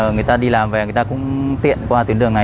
người ta đi làm về người ta cũng tiện qua tuyến đường này